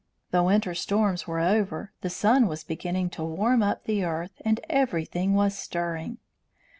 The winter storms were over, the sun was beginning to warm up the earth, and everything was stirring.